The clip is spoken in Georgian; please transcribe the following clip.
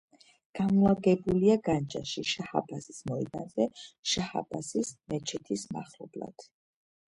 განლაგებულია განჯაში, შაჰ აბასის მოედანზე, შაჰ აბასის მეჩეთის მახლობლად.